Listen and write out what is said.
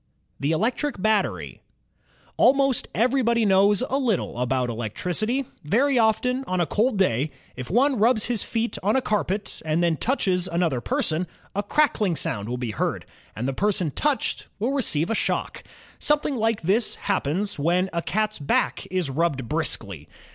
The Electric Battery Almost everybody knows a little about electricity. Very often on a cold day, if one rubs his feet on a cari>et 72 ELECTRIC ENGINE AND ELECTRIC LOCOMOTIVE 73 and then touches another person, a crackling sound will be heard, and the person touched will receive a shock. Something Hke this happens when a cat's back is rubbed briskly.